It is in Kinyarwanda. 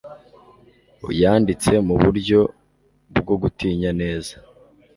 Yanditse muburyo bwo gutinya neza